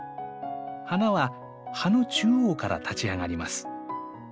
花は葉の中央から立ち上がります。